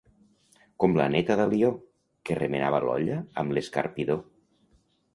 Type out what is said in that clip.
Com la neta d'Alió, que remenava l'olla amb l'escarpidor.